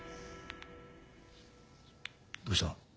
どうした？